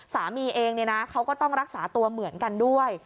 สามีเองเขาก็ต้องรักษาตัวเหมือนกันด้วย